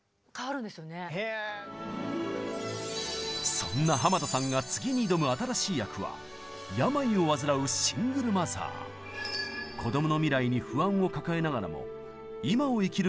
そんな濱田さんが次に挑む新しい役は子供の未来に不安を抱えながらも「今を生きる」